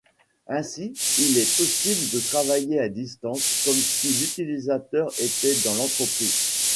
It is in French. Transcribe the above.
Ainsi il est possible de travailler à distance comme si l'utilisateur était dans l'entreprise.